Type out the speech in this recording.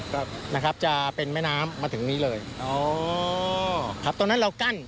ครับนะครับจะเป็นแม่น้ำมาถึงนี้เลยอ๋อครับตรงนั้นเรากั้น